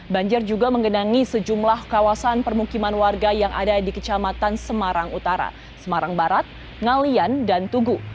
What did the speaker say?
banjir juga menggenangi sejumlah kawasan permukiman warga yang ada di kecamatan semarang utara semarang barat ngalian dan tugu